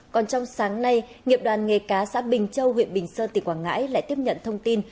còn trong sáng nay nghiệp đoàn nghề cá xã bình châu huyện bình sơn tỉnh quảng ngãi lại tiếp nhận thông tin